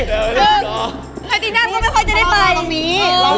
ไพรตีนัมก็ไม่ค่อยจะได้ไป